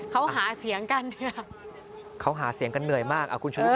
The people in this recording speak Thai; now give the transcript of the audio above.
เขาหาเสียงกันเหนื่อยมาก